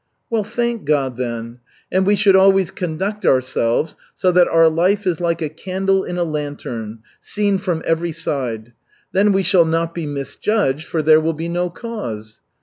"Well, thank God, then. And we should always conduct ourselves so that our life is like a candle in a lantern seen from every side. Then we will not be misjudged, for there will be no cause.